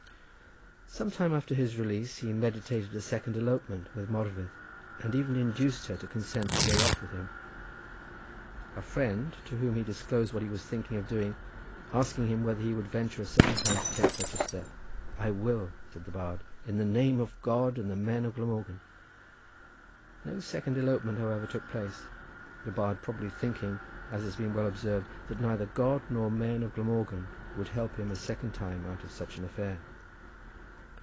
Some time after his release he meditated a second elopement with Morfudd, and even induced her to consent to go off with him. A friend to whom he disclosed what he was thinking of doing, asking him whether he would venture a second time to take such a step, "I will," said the bard, "in the name of God and the men of Glamorgan." No second elopement, however, took place, the bard probably thinking, as has been well observed, that neither God nor the men of Glamorgan would help him a second time out of such an affair.